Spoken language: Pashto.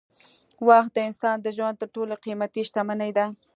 وخت د انسان د ژوند تر ټولو قېمتي شتمني ده.